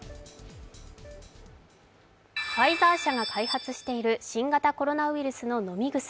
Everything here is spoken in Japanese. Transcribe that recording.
ファイザー社が開発している新型コロナウイルスの飲み薬。